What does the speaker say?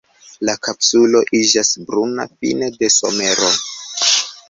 La kapsulo iĝas bruna fine de somero.